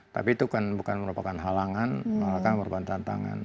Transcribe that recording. tapi itu kan bukan merupakan halangan malah kan merupakan tantangan